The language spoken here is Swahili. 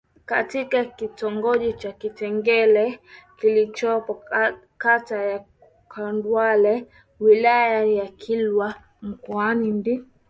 katika Kitongoji cha Kinjeketile kilichopo Kata ya Kandawale Wilaya ya Kilwa mkoani Lindi